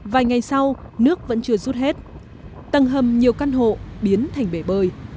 vài ngày sau nước vẫn chưa rút hết tầng hầm nhiều căn hộ biến thành bể bơi